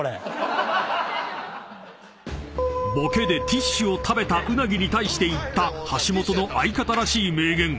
［ボケでティッシュを食べた鰻に対して言った橋本の相方らしい名言。